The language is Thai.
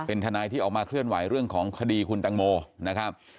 เป็นทนายที่ออกมาเคลื่อนไหวเรื่องของคดีคุณตังโมนะครับ